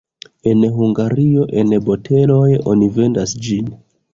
En Hungario en boteloj oni vendas ĝin.